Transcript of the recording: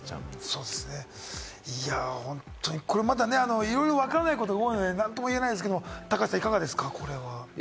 そうですね、これ、まだいろいろ分からないことが多いので何とも言えないですけど、高橋さん、いかがですか？